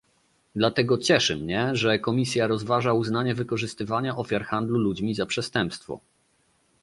Dlatego cieszy mnie, że Komisja rozważa uznanie wykorzystywania ofiar handlu ludźmi za przestępstwo